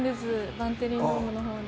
バンテリンドームのほうで。